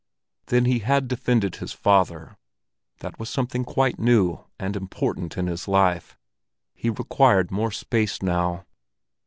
Then he had defended his father; that was something quite new and important in his life. He required more space now.